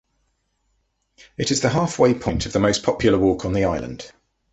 It is the half-way point of the most popular walk on the island.